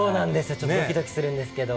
ちょっとどきどきするんですけど。